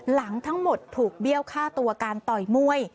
หลังทั้งหมดถูกเบี้ยวฆ่าตัวการต่อยมวย